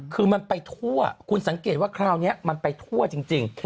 คือมันไปทั่วคุณสังเกตว่าคราวนี้มันไปทั่วจริง